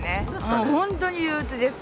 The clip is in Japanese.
もう本当に憂うつです。